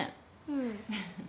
うん。